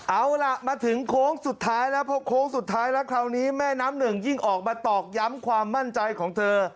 เอาล่ะมาถึงโค้งสุดท้ายแล้วพอโค้งสุดท้ายแล้วคราวนี้แม่น้ำหนึ่งยิ่งออกมาตอกย้ำความมั่นใจของเธอ